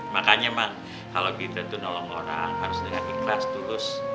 makanya bang kalau kita itu nolong orang harus dengan ikhlas tulus